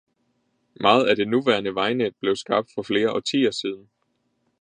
Meget af det nuværende vejnet blev skabt for flere årtier siden.